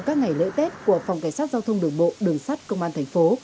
các ngày lễ tết của phòng cảnh sát giao thông đường bộ đường sát công an thành phố